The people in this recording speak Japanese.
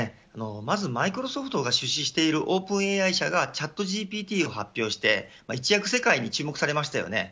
まずマイクロソフトが出資しているオープンＡＩ社がチャットＧＰＴを発表して一躍世界に注目されましたよね。